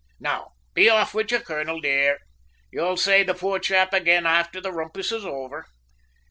Now, be off wid ye, colonel, dear; you'll say the poor chap ag'in afther the rumpus is over.